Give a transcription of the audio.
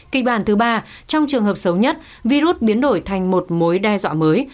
kịch bản thứ ba trong trường hợp xấu nhất virus biến đổi thành một mối đe dọa mới